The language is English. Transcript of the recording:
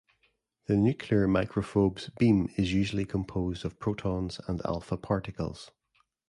The nuclear microprobe's beam is usually composed of protons and alpha particles.